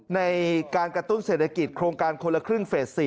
ในการกระตุ้นเศรษฐกิจโครงการคนละครึ่งเฟส๔